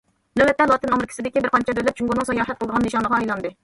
نۆۋەتتە لاتىن ئامېرىكىسىدىكى بىر قانچە دۆلەت جۇڭگونىڭ ساياھەت قىلىدىغان نىشانىغا ئايلاندى.